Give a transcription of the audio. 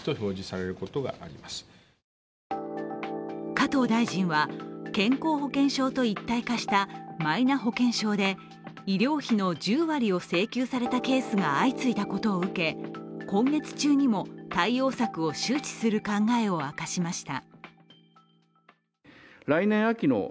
加藤大臣は、健康保険証と一体化したマイナ保険証で医療費の１０割を請求されたケースが相次いだことを受け今月中にもの対応策を周知する考えを明かしました。